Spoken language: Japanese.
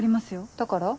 だから？